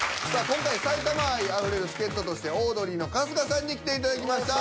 今回埼玉愛あふれる助っ人としてオードリーの春日さんに来ていただきました。